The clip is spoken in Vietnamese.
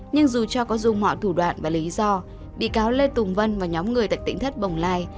nhưng dù cho có dung họ thủ đoạn và lý do vị cáo lê thu vân và nhóm người tại tỉnh thất bồng lai